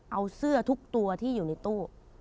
เอาเสื้อทุกตัวที่อยู่ในตู้